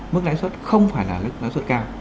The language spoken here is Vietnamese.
mức lãi suất không phải là lãi suất cao